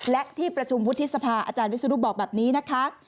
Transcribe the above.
และที่ประชุมวุฒิสภาอาจารย์วิศนุบอกแบบนี้นะคะ